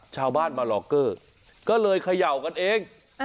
ชาวบ้านมาหลอกเกอร์ก็เลยเขย่ากันเอง